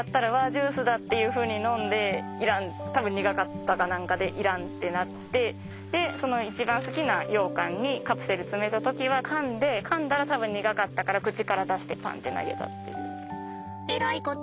ジュースだっていうふうに飲んで要らん多分苦かったか何かで要らんってなってで一番好きなようかんにカプセル詰めた時はかんでかんだら多分苦かったから口から出してパンッて投げたという。